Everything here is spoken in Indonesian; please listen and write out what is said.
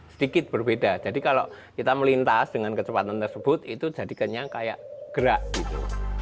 sedikit berbeda jadi kalau kita melintas dengan kecepatan tersebut itu jadikannya kayak gerak gitu